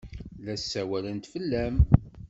La ssawalent fell-am.